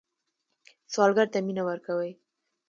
سوالګر ته مینه ورکوئ